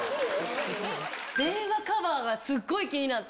電話カバーがすっごい気になって。